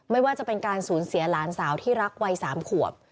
ไม่ว่าจะเป็นการสูญเสียหลานสาวที่รักวัย๓ขวบ